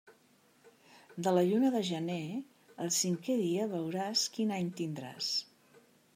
De la lluna de gener, el cinqué dia veuràs quin any tindràs.